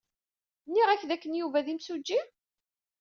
Nniɣ-ak dakken Yuba d imsujji?